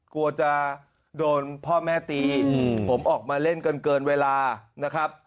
กลัวจะโดนพ่อแม่ตีผมออกมาเล่นกันเกินเวลานะครับ